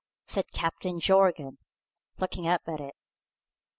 said Captain Jorgan, looking up at it.